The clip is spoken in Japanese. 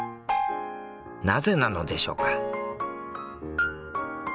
なぜなのでしょうか？